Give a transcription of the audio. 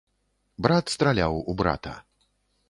Брат страляў у брата.